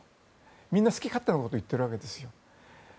みんな好き勝手なことを言っているんです。